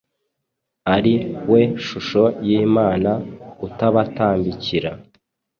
ari we shusho y’Imana utabatambikira.